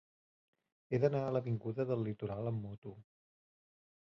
He d'anar a l'avinguda del Litoral amb moto.